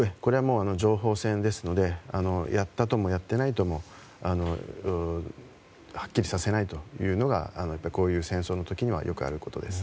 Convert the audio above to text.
情報戦ですのでやったとも、やっていないともはっきりさせないというのがこういう戦争の時にはよくあることです。